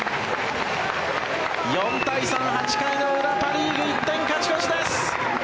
４対３、８回の裏パ・リーグ１点勝ち越しです。